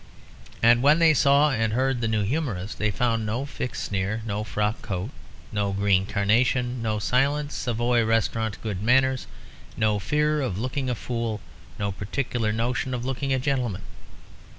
And when they saw and heard the new humorist they found no fixed sneer, no frock coat, no green carnation, no silent Savoy Restaurant good manners, no fear of looking a fool, no particular notion of looking a gentleman.